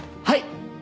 はい！